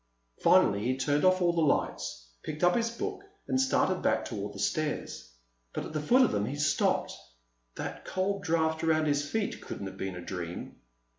Finally he turned off all the lights, picked up his book, and started back toward the stairs. But at the foot of them he stopped. That cold draft around his feet couldn't have been a dream.